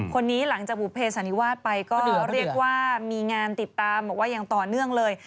คนนี้หลังจากบุเภสันนิวาสไปก็เรียกว่ามีงานติดตามบอกว่าอย่างต่อเนื่องเลย